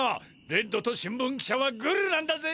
レッドと新聞記者はグルなんだぜ。